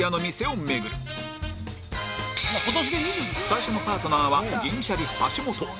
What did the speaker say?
最初のパートナーは銀シャリ橋本